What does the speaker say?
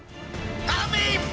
kami masih kurang yakin